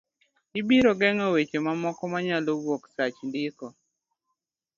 Ibiro geng'o weche mamoko ma nyalo wuok sach ndiko